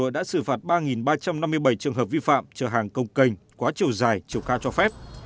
đã xử phạt ba ba trăm năm mươi bảy trường hợp vi phạm chở hàng công canh quá chiều dài chiều cao cho phép